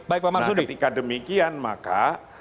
baik pak masudi nah ketika demikian maka